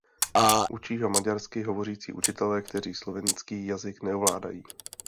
Učí ho maďarsky hovořící učitelé, kteří slovenský jazyk neovládají.